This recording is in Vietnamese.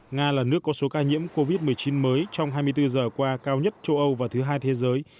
nga là nước có số ca nhiễm covid một mươi chín mới trong hai mươi bốn giờ qua cao nhất châu âu và thứ hai thế giới